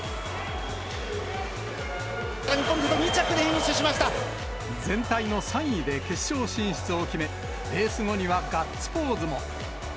日本、２着でフィニッシュし全体の３位で決勝進出を決め、レース後にはガッツポーズも。